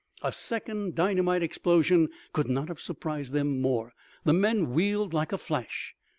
A second dynamite explosion could not have surprised them more. The men wheeled like a flash.